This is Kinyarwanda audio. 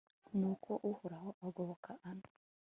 nuko uhoraho agoboka ana